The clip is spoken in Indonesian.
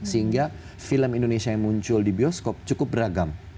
sehingga film indonesia yang muncul di bioskop cukup beragam